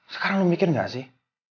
sekarang lo mikir gak sih